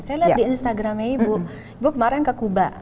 saya lihat di instagramnya ibu ibu kemarin ke kuba